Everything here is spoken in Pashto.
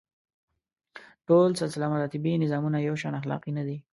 ټول سلسله مراتبي نظامونه یو شان اخلاقي نه دي.